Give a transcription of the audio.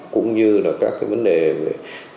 cũng như là các cái vấn đề về